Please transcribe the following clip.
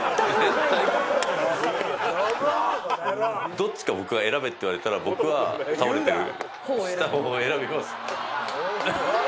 どっちか僕が選べって言われたら僕は倒れてる下の方を選びます。